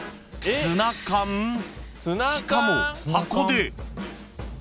［しかも箱で］